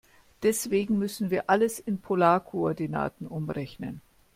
Deswegen müssen wir alles in Polarkoordinaten umrechnen.